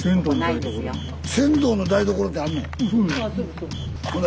船頭の台所ってあんの？